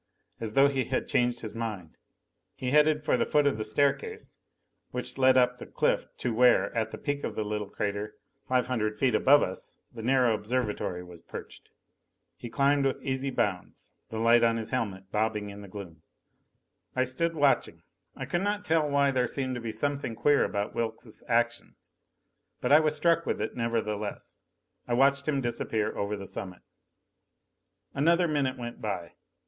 As though he had changed his mind, he headed for the foot of the staircase which led up the cliff to where, at the peak of the little crater, five hundred feet above us, the narrow observatory was perched. He climbed with easy bounds, the light on his helmet bobbing in the gloom. I stood watching. I could not tell why there seemed to be something queer about Wilks' actions. But I was struck with it, nevertheless. I watched him disappear over the summit. Another minute went by.